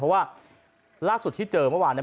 เพราะว่าล่าสุดที่เจอเมื่อวานเนี่ย